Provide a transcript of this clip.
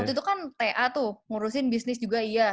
waktu itu kan ta tuh ngurusin bisnis juga iya